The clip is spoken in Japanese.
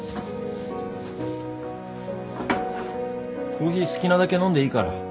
コーヒー好きなだけ飲んでいいから。